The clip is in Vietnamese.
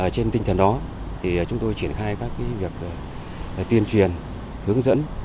trên tinh thần đó thì chúng tôi triển khai các cái việc tuyên truyền hướng dẫn